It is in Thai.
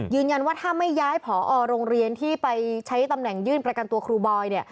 ยืนยันว่าถ้าไม่ย้ายผอโรงเรียนที่ไปใช้ตำแหน่งยื่นประกันตัวครูบอย